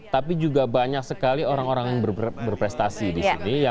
tapi juga banyak sekali orang orang yang berprestasi di sini